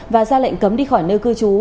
và ra lệnh cấm đi khỏi nơi cư trú